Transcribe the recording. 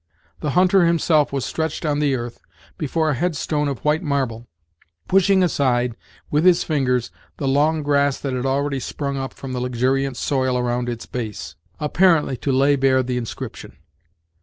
The hunter himself was stretched on the earth, before a head stone of white marble, pushing aside with his fingers the long grass that had already sprung up from the luxuriant soil around its base, apparently to lay bare the inscription.